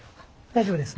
大丈夫です。